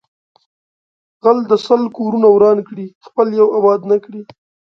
غل د سل کورونه وران کړي خپل یو آباد نکړي